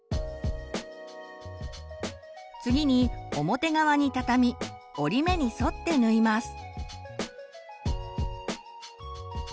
次に表側に畳み折り目に沿って縫います。